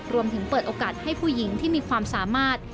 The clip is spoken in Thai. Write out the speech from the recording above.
เปิดโอกาสให้ผู้หญิงที่มีความสามารถ